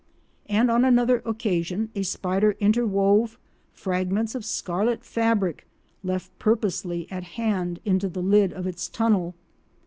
And on another occasion a spider interwove fragments of scarlet fabric left purposely at hand into the lid of its tunnel.